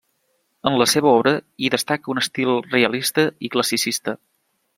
En la seva obra hi destaca un estil realista i classicista.